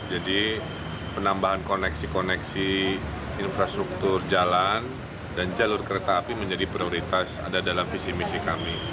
jadi penambahan koneksi koneksi infrastruktur jalan dan jalur kereta api menjadi prioritas ada dalam visi misi kami